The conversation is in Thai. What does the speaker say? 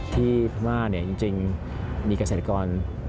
พม่าจริงมีเกษตรกร